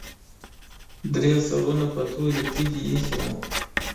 درې سرونه پر تورې تیږې ایښي وو.